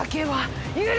はい。